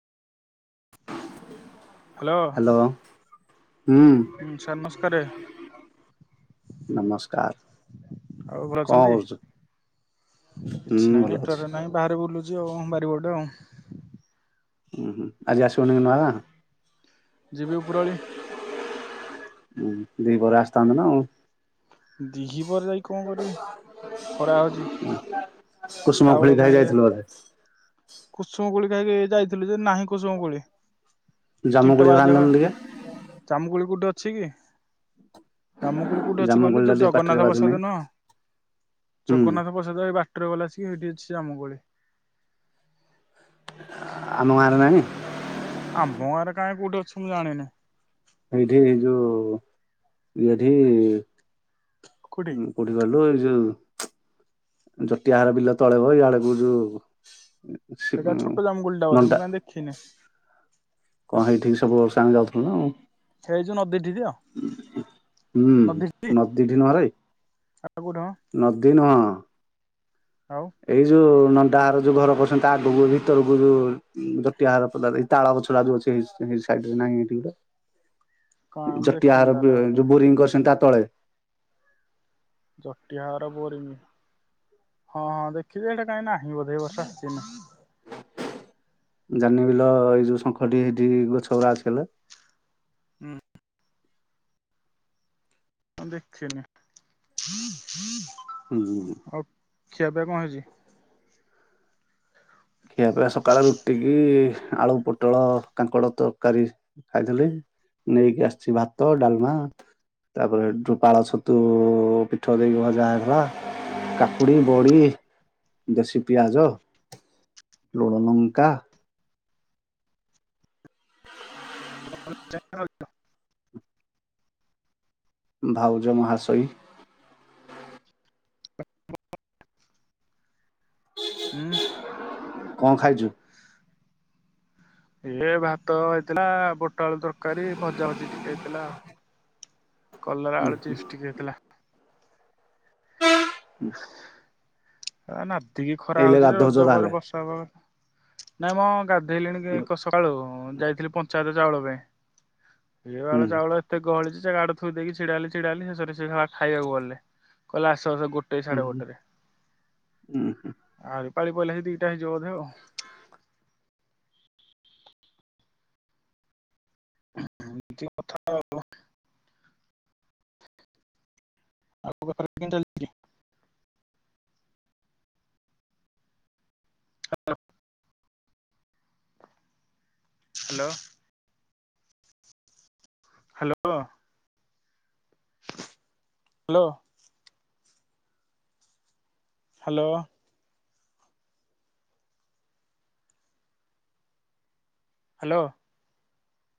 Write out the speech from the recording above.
Hello. Hello ହୁଁ sir ନମସ୍କାରେ। ନମସ୍କାର ଆଉ ଭଲ କଣ ଅଛନ୍ତି? କରଚୁ? ହୁଁ ଭଲ ଅଛି। ଯଉ ବାରିିବଟ ଆଉ। ଉ ହୁଁ ଆଜି ଆସିବୁନି କି ନୂଆ ଗାଁ? ଯିବି ଉପରଓଳି। ହୁଁ ଦିପହରେ ଆସିଥାନ୍ତ ନା ଆଉ। ଦିହିପରେ ଯାଇକି କଣ କରିବି ଖରା ହଉଛି ଚାଉଳ [unintelligible] ପାଇଁ ଖାଇ ଯେ ଯାଇଥିଲୁ ବୋଧେ। କୁସୁମ କୋଳି ଖାଇ ଯାଇଥିଲୁ ଯେ ନାହିଁ କୁସୁମ କୋଳି [unintelligible] ଜାମୁକୋଳି ବାଜ ଆଣିଲନି ଟିକେ ଜାମୁକୁଳି କୋ ଅଛି କି? ଜାମୁକୋଳି କୋଉଠି ଅଛି ଜାମୁକୋଳି କହିଲୁ ଟା ଯୋଉ ଟିକେ ପାଟିରେ ଜଗନ୍ନାଥ ବାଜୁନି ପ୍ରସାଦ ନୁହଁ ହୁଁ ଜଗନ୍ନାଥ ପ୍ରସାଦ ଏ ବା ବାଟରେ ଗଲା ବସିକି ସେଇଠି ଅଛି ଜାମୁକୋଳି। ଆମ ଗାଁରେ ନାହିଁ? ଆମ ଗାଁରେ କାଇଁ କୋଉଠି ଅଛି ମୁଁ ଜାଣିନି। ଏଇଠି ଯୋଉ ଠି କୋଉଠି କହିଲୁ। ଯୋଉ ଜଟିଆହାର ବିଲ ତଳେ ବା ଆଡକୁ ଯୋଉ ସେ ଏଇଟା ଛୋଟ ଜାମୁକୋଳି ଟା ବୋଧେ ନଣ୍ଡା ମୁଁ କାଇଁ ଦେଖିନି। କଣ ହେଇଠିକି ସବୁ ବର୍ଷ ଆମେ ଯାଉ ହେଇ ଯୋଉ ନଦୀଠି ତ [unintelligible] [unintelligible] ହୁଁ ନଦୀଠି ନଦୀ [unintelligible] ଆଉ କୋଉଠି ମ ନଦୀ ନୁହଁ। ଆଉ ଏଇ ଯୋଉ ନ ଦାର ଯୋଉ ଘର କରଛନ୍ତି ତା ଆଗକୁ ଭିତରକୁ ଯୋଉ-ଉଁ ଜଟିଆ ଘର ପଦାରେ ତାଳ ଗଛୁଟା ଯୋଉ ଅଛି ହେଇ ହେ-ସାଇଡ୍ ରେ ନାହିଁ ହେଇଠି କଣ ଗୋଟେ। ମୁଁ ଦେଖିନି ଜଟିଆଘର ତାହେଲେ ଆଉ ସେରା ବ-ଯୋଉ ବୋରିଙ୍ଗ କରିଛନ୍ତି ତା ତଳେ। ଜଟିଆ ଘର ବୋରିଙ୍ଗ ହଁ ହଁ ଦେଖି ଯେ ହେଟା କାଇଁ ନାହିଁ ବୋଧେ ଏ ବର୍ଷ ଆସିନି। ଜାନି ବିଲ ଏଇ ଯୋଉ ଶଙ୍ଖଟି [unintelligible] ରାଜ୍ କଲେ। ଉଁ। [unintelligible] ଦେଖେନି [unintelligible] ହୁଁ ହୁଁ। ଖିଆ ପିଆ କଅଁ ହେଇଚି? ଖିଆ ପିଆ ସକାଳ ରୁଟିିକି ଆଳୁ ପୋଟଳ କାଙ୍କଡ ତରକାରୀ ଖାଇଥିଲି ନେଇକି ଆସିଚି ଭାତ ଡାଲମା ତାପରେ ପାଳ ଛତୁ ପିଠଉ ଦେଇକି ଭଜା ହେଇ ଥିଲା କାକୁଡି ବଢ଼ି ଦେଶୀ ପିଆଜ। ଲୁଣ ଲଙ୍କା। [unintelligible] ଭାଉଜ ମହାଶୟୀ। ହୁଁ। କଅଁ ଖାଇଚୁ? ଏ ଭାତ ହେଇଥିଲା ବୋଟଆଳୁ ତରକାରୀ ଭଜା ଭଜି ଟିକେ ହେଇଥିଲା ଆଉ। କଲରା ଆଳୁ ଚିପ୍ସ ଟିକେ ହେଇଥିଲା। ହୁଁ। ଆ ନାବ୍ ଏତିକି ଖରା ହଉଚି ଗାଧଉଛ ରଜ ପରେ ତାହେଲେ ବର୍ଷା ହବା କଥା। ନାଇଁ ମଁ ଗା ସେଇଲଣି କି-ସକାଳୁଉ। ହଁ ଯାଇଥିଲି ପଞ୍ଚାୟତ ଚାଉଳ ପାଇଁ। ଏଇ ହୁଁ ବାଳ ଚାଉଳ ଏତେ ଗହଳି ଯେ ଗାଡ ଥୁଇ ଦେଇକି ଛିଡା ହେଲି ଛିଡା ହେଲି ଶେଷରେ ସେ ସଳା ଖାଇଆକୁ ଗଲେ କଇଲେ ଅସ୍ ତ ସେ-ଗୋଟେ ସାଢେ ଗୋଟେରେ। ଉଁହୁଁ ହୁ। ଏ ପାାଳି ପଇଲେ ହେଇ ଦିଟା ହେଇଯିବ ବୋଧେ ଆଉ। [unintelligible] କଥା ଆଉ। ଆପ ଘରେ କେନ୍ତି ଅଛନ୍ତି? Hello. Hello hello. Hello. Hello.